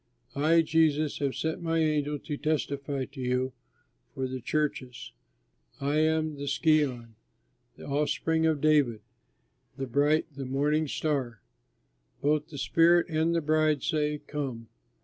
"I, Jesus, have sent my angel to testify to you for the churches. I am the Scion and Offspring of David, the bright, the Morning Star. Both the Spirit and the Bride say, 'Come.'